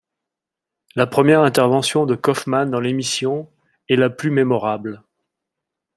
La première intervention de Kaufman dans l'émission est la plus mémorable.